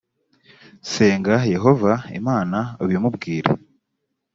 senga yehova imana ubimubwire